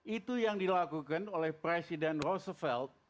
itu yang dilakukan oleh presiden rosefeld